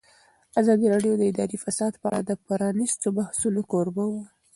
ازادي راډیو د اداري فساد په اړه د پرانیستو بحثونو کوربه وه.